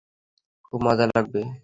খুব মজা লাগবে।